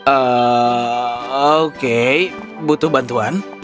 ehm oke butuh bantuan